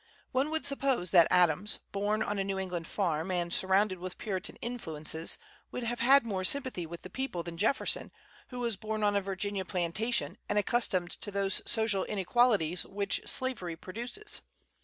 One would suppose that Adams, born on a New England farm, and surrounded with Puritan influences, would have had more sympathy with the people than Jefferson, who was born on a Virginia plantation, and accustomed to those social inequalities which slavery produces.